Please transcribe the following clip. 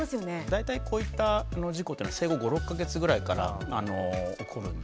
大体こういった事故っていうのは生後５６か月ぐらいから起こるんですね。